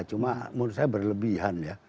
cuma menurut saya berlebihan